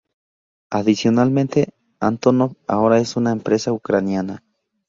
Adicionalmente, Antonov ahora es una empresa ucraniana.